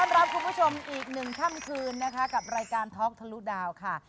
รับคุณผู้ชมอีกหนึ่งค่ำคืนนะคะกับรายการท็อกทะลุดาวค่ะ